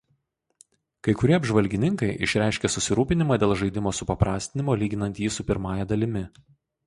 Kai kurie apžvalgininkai išreiškė susirūpinimą dėl žaidimo supaprastinimo lyginant jį su pirmąja dalimi.